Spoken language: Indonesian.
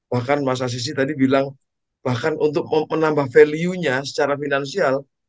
bahkan masa sisi tadi bilang bahkan untuk menambah value nya secara finansial